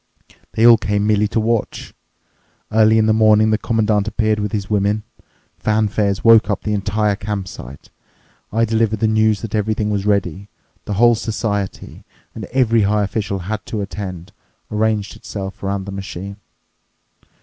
They all came merely to watch. Early in the morning the Commandant appeared with his women. Fanfares woke up the entire campsite. I delivered the news that everything was ready. The whole society—and every high official had to attend—arranged itself around the machine.